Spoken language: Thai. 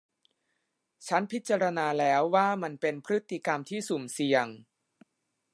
ฉันพิจารณาแล้วว่ามันเป็นพฤติกรรมที่สุ่มเสี่ยง